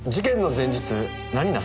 前日？